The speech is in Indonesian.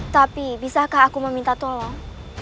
tapi bisakah aku meminta tolong